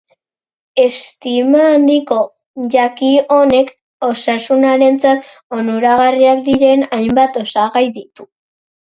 Estima handiko jaki honek, osasunarentzat onuragarriak diren hainbat osagai ditu.